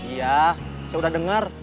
iya saya udah denger